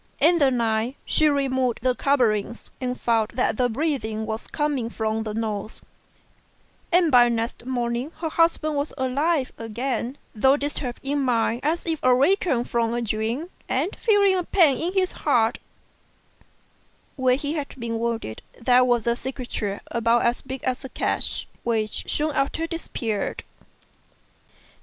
In the night, she removed the coverings, and found that breath was coming from G 2 84 STRANGE STORIES the nose ; and by next morning her husband was alive again, though disturbed in mind as if awaking from a dream and feeling a pain in his heart Where he had been wounded, there was a cicatrix about as big as a cash, which soon after disappeared.